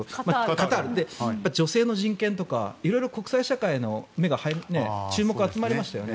カタールで女性の人権とか色々と国際社会の目が注目が集まりましたよね。